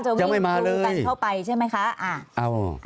จะมีฟูกันเข้าไปใช่ไหมคะ